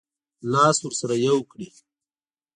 لاس ورسره یو کړي.